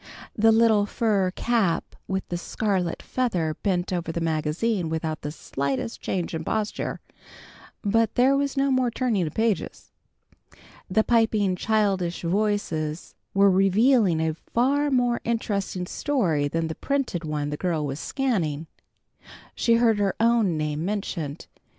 The little fur cap with the scarlet feather bent over the magazine without the slightest change in posture, but there was no more turning of pages. The piping, childish voices were revealing a far more interesting story than the printed one the girl was scanning. She heard her own name mentioned.